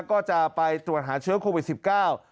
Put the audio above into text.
ก็จะไปตรวจหาเชื้อโควิดสิบเก้า